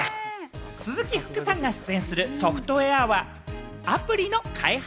鈴木福さんが出演するソフトウェアやアプリの開発